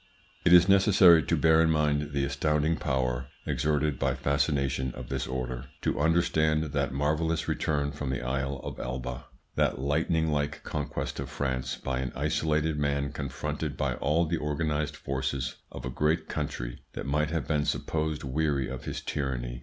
It is necessary to bear in mind the astounding power exerted by fascination of this order to understand that marvellous return from the Isle of Elba, that lightning like conquest of France by an isolated man confronted by all the organised forces of a great country that might have been supposed weary of his tyranny.